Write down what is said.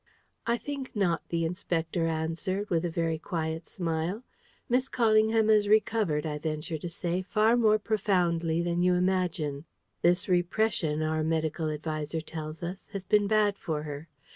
"I think not," the Inspector answered, with a very quiet smile. "Miss Callingham has recovered, I venture to say, far more profoundly than you imagine. This repression, our medical adviser tells us, has been bad for her.